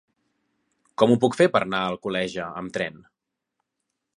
Com ho puc fer per anar a Alcoleja amb tren?